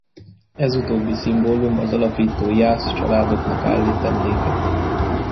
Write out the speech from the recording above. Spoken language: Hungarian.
Ez utóbbi szimbólum az alapító jász családoknak állít emléket.